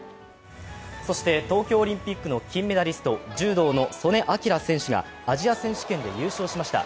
東京オリンピックの金メダリスト、柔道の素根輝選手がアジア選手権で優勝しました。